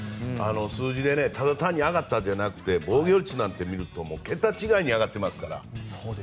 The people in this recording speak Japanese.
数字でただ単に上がっただけじゃなくて防御率なんか桁違いに上がってますから。